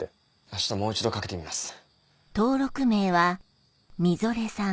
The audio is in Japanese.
明日もう一度かけてみます。